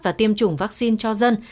và tiêm chủng vaccine cho dân